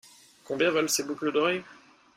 Combien valent ces boucles d'oreille ?